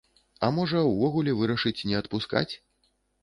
А можа, увогуле вырашыць не адпускаць?